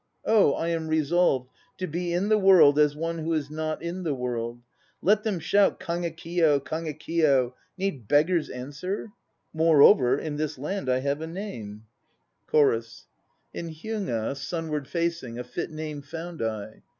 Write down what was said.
Oh I am resolved To be in the world as one who is not in the world. Let them shout "Kagekiyo, Kagekiyo": Need beggars answer? Moreover, in this land I have a name. 94 THE NO PLAYS OF JAPAN CHORUS. "In Hyuga sunward facing A fit name found I.